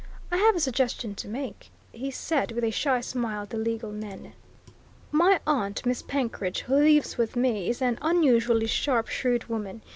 "I have a suggestion to make," he said with a shy smile at the legal men. "My aunt, Miss Penkridge, who lives with me, is an unusually sharp, shrewd woman.